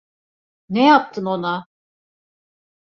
Ne yaptın ona?